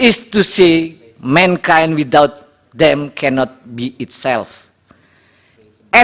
manusia tanpa mereka tidak bisa menjadi dirinya sendiri